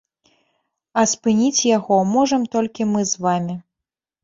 А спыніць яго можам толькі мы з вамі.